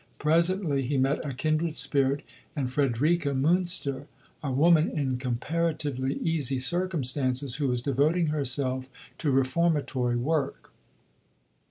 Presently he met a kindred spirit in Friederike Münster, a woman in comparatively easy circumstances who was devoting herself to reformatory work.